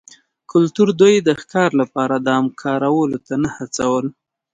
کلتور دوی د ښکار لپاره دام کارولو ته نه هڅول